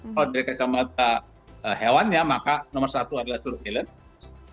kalau dari kacamata hewannya maka nomor satu adalah surveillance